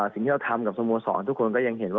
สิ่งที่เราทำกับสโมสรทุกคนก็ยังเห็นว่า